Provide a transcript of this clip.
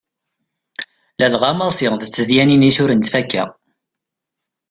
Ladɣa Massi d tedyanin-is ur nettfakka.